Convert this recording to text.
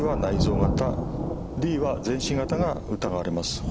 Ｄは全身型が疑われます。